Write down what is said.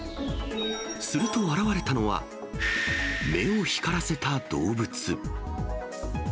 すると現れたのは、目を光らせた動物。